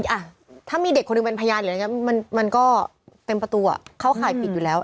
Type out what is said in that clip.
ถ้าสมมุติว่ามีเด็กคนอื่นเป็นพยานมันก็เต็มประตูเข้าขายปิดอยู่แล้ว